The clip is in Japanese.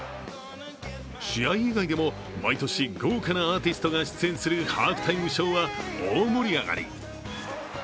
試合以外でも毎年、豪華なアーティストが出演するハーフタイムショーは大盛り上がり。